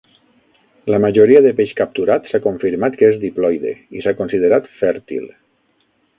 La majoria de peix capturat s'ha confirmat que és diploide i s'ha considerat fèrtil.